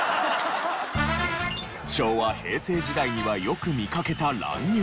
昭和平成時代にはよく見かけた乱入シーン。